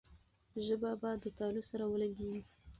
ژبه به د تالو سره ولګېږي.